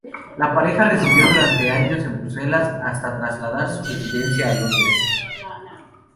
La pareja residió durante años en Bruselas hasta trasladar su residencia a Londres.